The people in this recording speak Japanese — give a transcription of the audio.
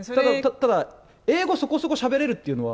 ただ、英語そこそこしゃべれるっていうのは？